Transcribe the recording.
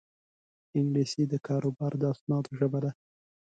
انګلیسي د کاروبار د اسنادو ژبه ده